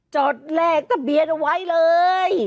จอดแลกทะเบียนเอาไว้เลย